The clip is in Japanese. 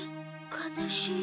悲しい。